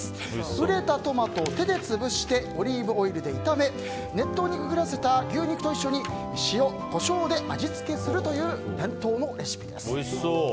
熟れたトマトを手で潰してオリーブオイルで炒め熱湯にくぐらせた牛肉と一緒に塩、コショウで味付けするという伝統のレシピです。